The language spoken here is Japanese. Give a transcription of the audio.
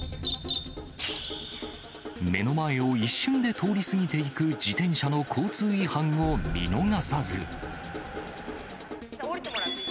目の前を一瞬で通り過ぎていく自転車の交通違反を見逃さず。